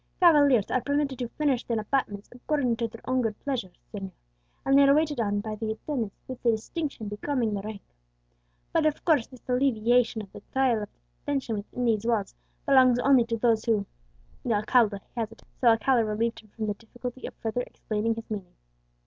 "Cavaliers are permitted to furnish their apartments according to their good pleasure, señor; and they are waited on by the attendants with the distinction becoming their rank. But, of course, this alleviation of the trial of detention within these walls belongs only to those who " The alcalde hesitated, so Alcala relieved him from the difficulty of further explaining his meaning.